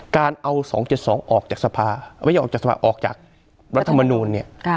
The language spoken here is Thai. การเอา๒๗๒ออกจากรัฐมนวลเนี่ย